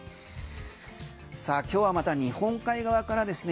さあ、今日はまた日本海側からですね